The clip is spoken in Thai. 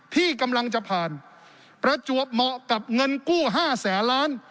ที่กำลังจะผ่านประจวบเหมาะกับเงินกู้๕แสนล้าน